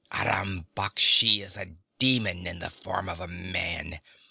Aram Baksh is a demon in the form of a man!